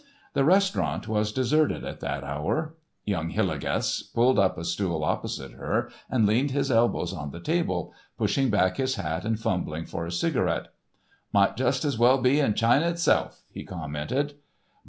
The restaurant was deserted at that hour. Young Hillegas pulled up a stool opposite her and leaned his elbows on the table, pushing back his hat and fumbling for a cigarette. "Might just as well be in China itself," he commented.